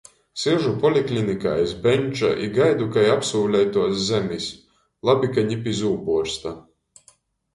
Siežu poliklinikā iz beņča i gaidu kai apsūleituos zemis. Labi, ka ni pi zūbuorsta!